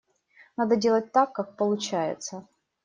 Надо делать так, как получается.